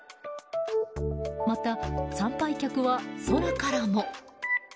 また参拝客は空からも。